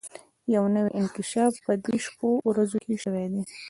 يو نوی انکشاف په دې شپو ورځو کې شوی دی.